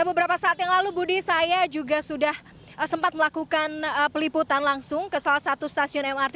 beberapa saat yang lalu budi saya juga sudah sempat melakukan peliputan langsung ke salah satu stasiun mrt